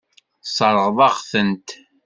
Tesseṛɣeḍ-aɣ-tent.